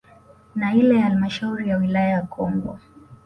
Na ile ya halmasahauri ya wilaya ya Kongwa